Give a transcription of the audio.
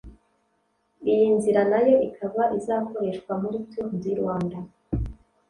Iyi nzira nayo ikaba izakoreshwa muri Tour du Rwanda